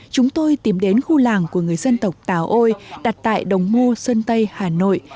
chúng tôi tìm đến khu làng của người dân tộc tào ôi đặt tại đồng mô sơn tây hà nội